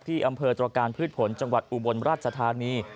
อำเภอตรการพืชผลจังหวัดอุบลราชธานี